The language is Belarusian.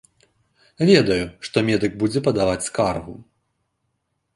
Ведаю, што медык будзе падаваць скаргу.